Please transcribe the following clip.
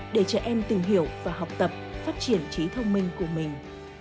để trẻ em tìm hiểu và học tập phát triển trí thông minh của mình